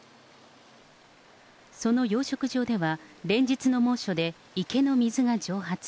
その養殖場では、連日の猛暑で池の水が蒸発。